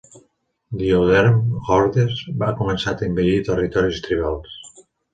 BioDerm Hordes ha començat a invadir territoris tribals.